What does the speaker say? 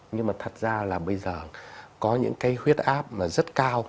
nhưng mà thật ra là bây giờ có những cái huyết áp mà rất cao